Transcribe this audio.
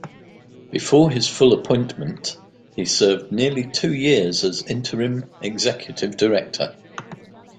Before his full appointment, he served nearly two years as interim Executive Director.